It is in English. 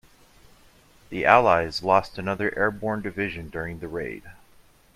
The allies lost another airborne division during the raid.